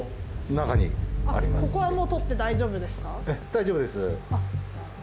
ええ大丈夫です。